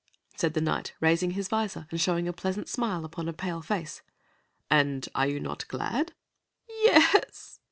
said the Knight, raising his visor and showing a pleasant smile upon a pale face. "And are you not glad?" "Ye es!"